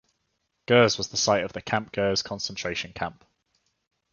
Gurs was the site of the Camp Gurs concentration camp.